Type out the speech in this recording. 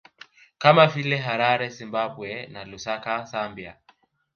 Kama vile Harare Zimbabwe na Lusaka Zambia